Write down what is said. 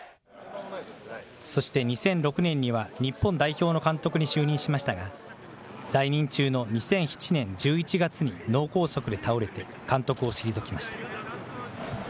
そして２００６年には日本代表の監督に就任しましたが、在任中の２００７年１１月に脳梗塞で倒れて、監督を退きました。